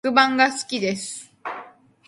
黒板が好きです